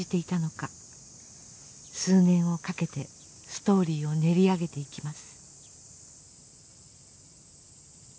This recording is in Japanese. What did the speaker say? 数年をかけてストーリーを練り上げていきます。